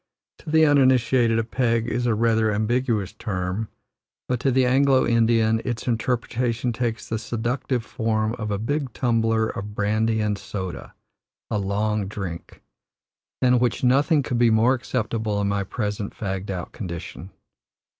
To the uninitiated a "peg" is a rather ambiguous term, but to the Anglo Indian its interpretation takes the seductive form of a big tumbler of brandy and soda, a "long drink," than which nothing could be more acceptable in my present fagged out condition.